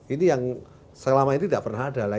ini yang selama ini tidak pernah ada lah